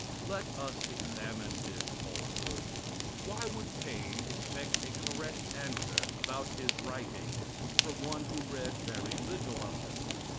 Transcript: Let us examine this falsehood. Why would Paine expect a correct answer about his writings from one who read very little of them?